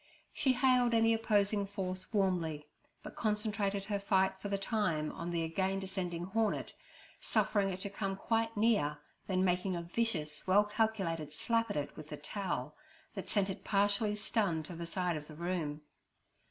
She hailed any opposing force warmly, but concentrated her fight for the time on the again descending hornet, suffering it to come quite near, then making a vicious, well calculated slap at it with the towel that sent it partially stunned to the side of the room.